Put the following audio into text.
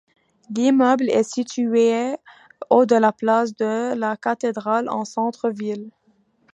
L'immeuble est situé au de la place de la Cathédrale, en centre-ville.